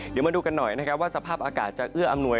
เดี๋ยวมาดูกันหน่อยนะครับว่าสภาพอากาศจะเอื้ออำนวย